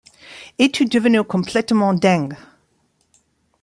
Es-tu devenu complètement dingue!